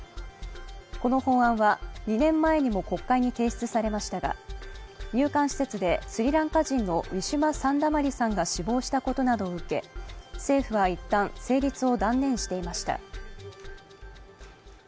この法案は２年前にも国会に提出されましたが入管施設でスリランカ人のウィシュマ・サンダマリさんが死亡したことなどを受け、政府は一旦成立を断念していました。